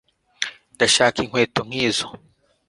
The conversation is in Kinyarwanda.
ndashaka inkweto nkizo